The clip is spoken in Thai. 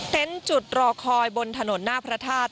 จุดรอคอยบนถนนหน้าพระธาตุ